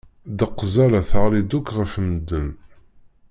Deqzalla tɣelli-d akk ɣef medden.